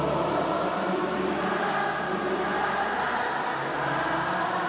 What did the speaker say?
พระนึงจะให้เสียงทุกคนดังไปถึงภาพประวัติศาสตร์แทนความจงรักพักดีอีกครั้ง